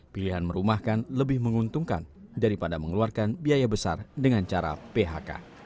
pilihan merumahkan lebih menguntungkan daripada mengeluarkan biaya besar dengan cara phk